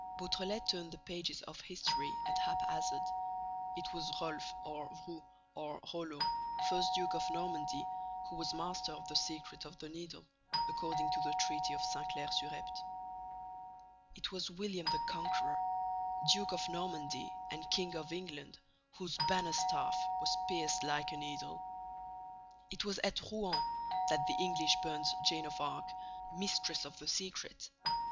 Beautrelet turned the pages of history at haphazard: it was Rolf, or Rou, or Rollo, first Duke of Normandy, who was master of the secret of the Needle, according to the treaty of Saint Clair sur Epte! It was William the Conqueror, Duke of Normandy and King of England, whose bannerstaff was pierced like a needle! It was at Rouen that the English burnt Joan of Arc, mistress of the secret!